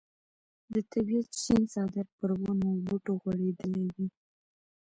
د طبیعت شین څادر پر ونو او بوټو غوړېدلی وي.